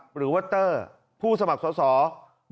หรือว่าเตอร์ผู้สมัครสอสอ